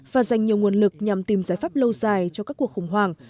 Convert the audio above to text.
và dành nhiều nguồn lực nhằm tìm giải pháp lâu dài cho các cuộc khủng hoảng